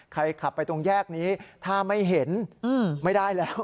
ขับไปตรงแยกนี้ถ้าไม่เห็นไม่ได้แล้ว